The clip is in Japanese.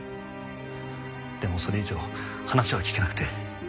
でもそれ以上話は聞けなくて。